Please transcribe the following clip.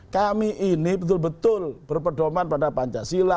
kami ini betul betul berpedoman pada pancasila